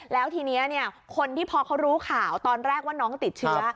แล้วทีนี้คนที่พอเขารู้ข่าวตอนแรกว่าน้องติดเชื้อ